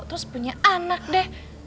terus punya anak deh